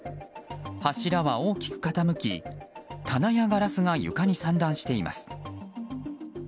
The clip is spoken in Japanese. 柱は大きく傾き棚やガラスが床に散乱しています。